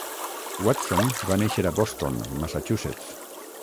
Watson va néixer a Boston, Massachusetts.